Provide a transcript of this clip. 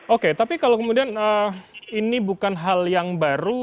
oke tapi kalau kemudian ini bukan hal yang baru